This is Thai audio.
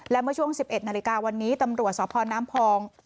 แล้วเมื่อช่วงสิบเอ็ดนาฬิกาวันนี้ตำรวจสน้ำพอง